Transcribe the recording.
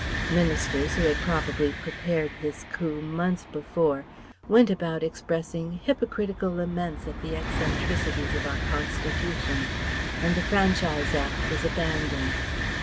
Ministers who had probably prepared this coup months before went about expressing hypocritical laments at the eccentricities of our constitution; and the Franchise Act was abandoned.